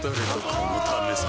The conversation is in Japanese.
このためさ